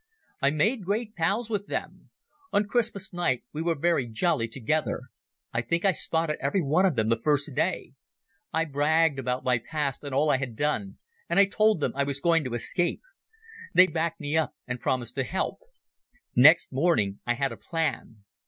"I made great pals with them. On Christmas night we were very jolly together. I think I spotted every one of them the first day. I bragged about my past and all I had done, and I told them I was going to escape. They backed me up and promised to help. Next morning I had a plan.